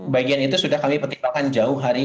bagian itu sudah kami pertimbangkan jauh hari